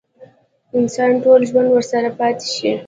انسان ټول ژوند ورسره پاتې شي.